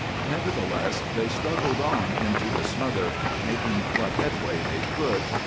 Nevertheless they struggled on into the smother, making what headway they could.